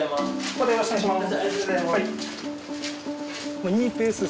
またよろしくお願いします。